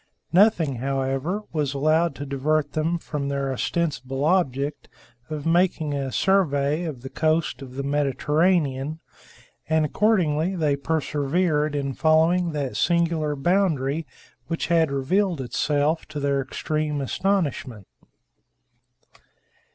Nothing, however, was allowed to divert them from their ostensible object of making a survey of the coast of the Mediterranean, and accordingly they persevered in following that singular boundary which had revealed itself to their extreme astonishment.